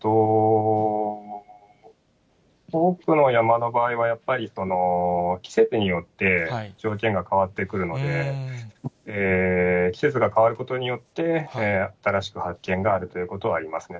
多くの山の場合はやっぱり、季節によって条件が変わってくるので、季節が変わることによって、新しく発見があるということはありますね。